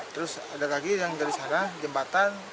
terus ada lagi yang dari sana jembatan